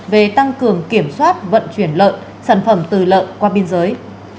về tăng cường kiểm soát vận chuyển lợi sản phẩm từ lợi qua biên giới